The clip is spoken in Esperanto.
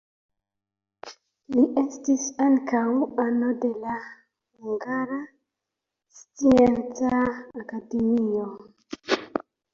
Li estis ankaŭ ano de la Hungara Scienca Akademio.